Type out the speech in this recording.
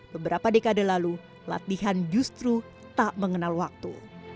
beberapa dekade lalu latihan justru tak mengenal waktu